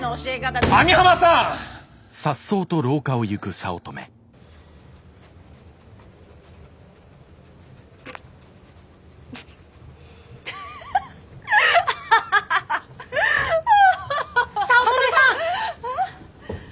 早乙女さん！